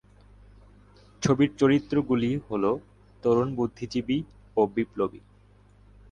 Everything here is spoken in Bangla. ছবির চরিত্রগুলি হল তরুণ বুদ্ধিজীবী ও বিপ্লবী।